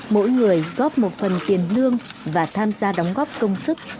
mỗi người góp một phần tiền lương và tham gia đóng góp công sức